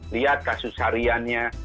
lihat kasus hariannya